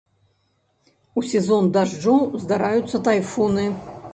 У сезон дажджоў здараюцца тайфуны.